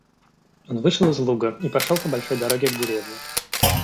Он вышел из луга и пошел по большой дороге к деревне.